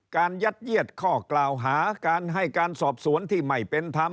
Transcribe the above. ข้อกล่าวหาให้การสอบสวนที่ไม่เป็นธรรม